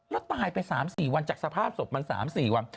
แล้วตายไป๓๔วันจากสภาพศพมัน๓๔วัน